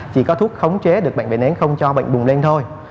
chỉ có thuốc khống chế được bệnh nến không cho bệnh bùng lên thôi